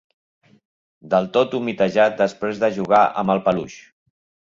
Del tot humitejat després de jugar amb el peluix.